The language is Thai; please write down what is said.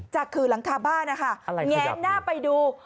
ขื่อหลังคาบ้านนะคะแงนหน้าไปดู